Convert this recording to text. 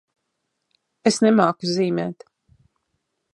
Es nemāku zīmēt.